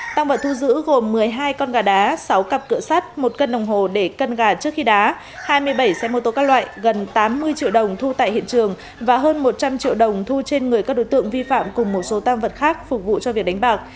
tăng vật thu giữ gồm một mươi hai con gà đá sáu cặp cửa sắt một cân đồng hồ để cân gà trước khi đá hai mươi bảy xe mô tô các loại gần tám mươi triệu đồng thu tại hiện trường và hơn một trăm linh triệu đồng thu trên người các đối tượng vi phạm cùng một số tam vật khác phục vụ cho việc đánh bạc